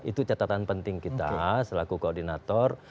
itu catatan penting kita selaku koordinator